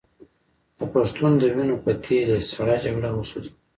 د پښتون د وینو په تېل یې سړه جګړه وسوځوله.